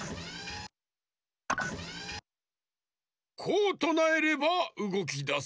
こうとなえればうごきだす。